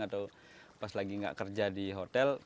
atau pas lagi nggak kerja di hotel